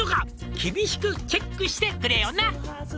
「厳しくチェックしてくれよな」